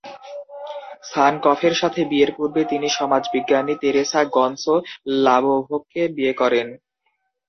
সানকফের সাথে বিয়ের পূর্বে তিনি সমাজবিজ্ঞানী তেরেসা গনসো লাবোভকে বিয়ে করেন।